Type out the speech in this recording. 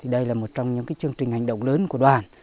đây là một trong những chương trình hành động lớn của đoàn